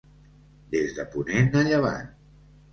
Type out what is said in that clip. Des de ponent a llevant.